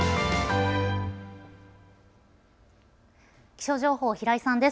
気象情報、平井さんです。